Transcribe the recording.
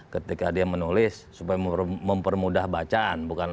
ketika dia menulis supaya mempermudah bacaan